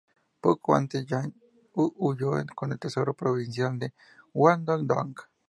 Poco antes, Yan huyó con el tesoro provincial a Guangdong.